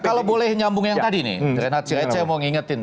kalau boleh nyambung yang tadi nih tren h cirece mau ngingetin